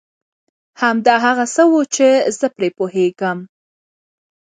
همدا هغه څه و چي زه پرې پوهېږم.